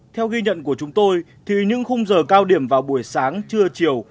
theo ghi nhận của chúng tôi những khung giờ cao điểm vào buổi sáng trưa chiều